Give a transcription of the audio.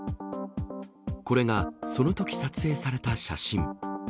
これがそのとき撮影された写真。